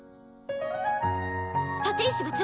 立石部長。